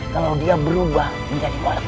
kalau dia berubah menjadi warna